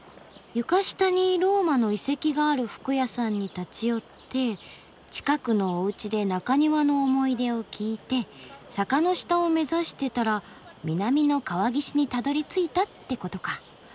床下にローマの遺跡がある服屋さんに立ち寄って近くのおうちで中庭の思い出を聞いて坂の下を目指してたら南の川岸にたどりついたってことか。